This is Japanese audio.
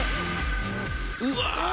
うわ！